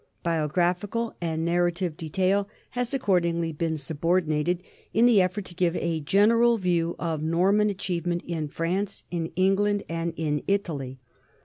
Biographical and narrative detail has accord ingly been subordinated in the effort to give a general view of Norman achievement in France, in England, and in Italy.